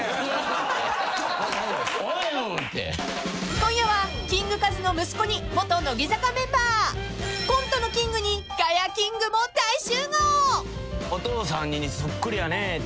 ［今夜はキングカズの息子に元乃木坂メンバー］［コントのキングにガヤキングも大集合］